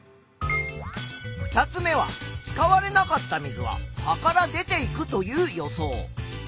２つ目は使われなかった水は葉から出ていくという予想。